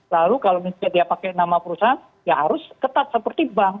lalu kalau misalnya dia pakai nama perusahaan ya harus ketat seperti bank